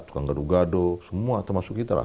tukang gadugado semua termasuk kita lah